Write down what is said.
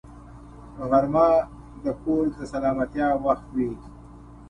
غرمه د کور د سلامتیا وخت وي